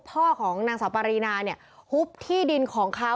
พ่อของนางสาวปารีนาเนี่ยหุบที่ดินของเขา